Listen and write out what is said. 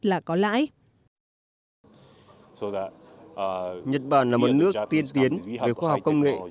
nhật bản là một nước tiên tiến về khoa học công nghệ